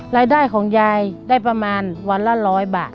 รายได้ของยายได้ประมาณวันละ๑๐๐บาท